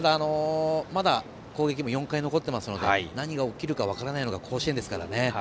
まだ、攻撃も４回残ってますので何が起きるか分からないのが甲子園ですからね。